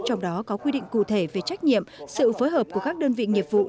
trong đó có quy định cụ thể về trách nhiệm sự phối hợp của các đơn vị nghiệp vụ